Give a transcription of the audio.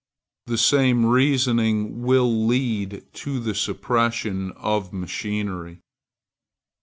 The same reasoning will lead to the suppression of machinery.